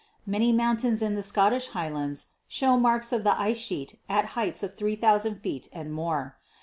Many mountains in the Scottish Highlands show marks "of the ice sheet at heights of 3,000 feet and more.